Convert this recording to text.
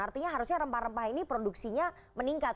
artinya harusnya rempah rempah ini produksinya meningkat